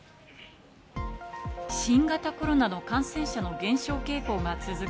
新型コロナの感染者の減少傾向が続く